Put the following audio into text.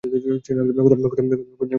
খোদা হাফেজ, আম্মি।